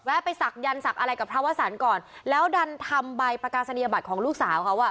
ไปศักยันต์ศักดิ์อะไรกับพระวสันก่อนแล้วดันทำใบประกาศนียบัตรของลูกสาวเขาอ่ะ